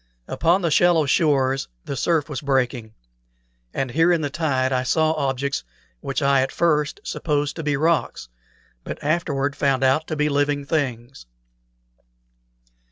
Upon the shallow shores the surf was breaking; and here in the tide I saw objects which I at first supposed to be rocks, but afterward found out to be living things.